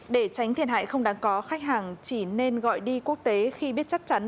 để tránh thiệt hại không đáng có khách hàng chỉ nên gọi đi quốc tế khi biết chắc chắn